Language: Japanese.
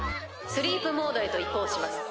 スリープモードへと移行します。